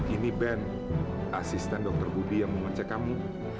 ini ben asisten dokter budi yang mau ngecek kamu